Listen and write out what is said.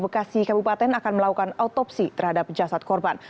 bekasi kabupaten akan melakukan autopsi terhadap jasad korban